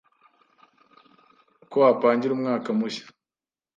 Uko wapangira umwaka mushya